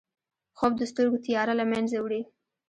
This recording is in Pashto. خوب د سترګو تیاره له منځه وړي